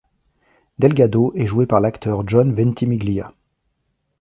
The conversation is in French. Delgado est joué par l'acteur John Ventimiglia.